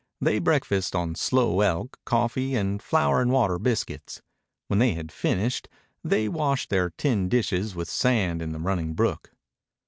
They breakfasted on slow elk, coffee, and flour and water biscuits. When they had finished, they washed their tin dishes with sand in the running brook.